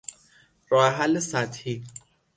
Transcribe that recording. راه حل سطحی